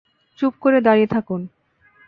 চুপ করে দাঁড়িয়ে থাকুন।